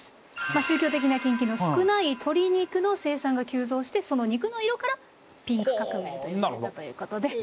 宗教的な禁忌の少ない鶏肉の生産が急増してその肉の色からピンク革命といわれたということで。